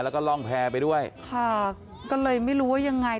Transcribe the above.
แล้วก็ร่องแพร่ไปด้วยค่ะก็เลยไม่รู้ว่ายังไง